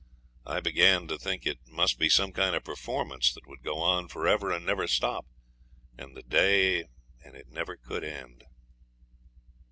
I began to think it must be some kind of performance that would go on for ever and never stop, and the day and it never could end.